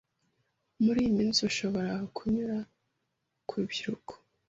Muri iyi minsi ushobora kunyura ku rubyiruko